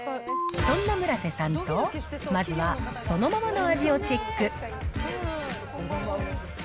そんな村瀬さんと、まずはそのままの味をチェック。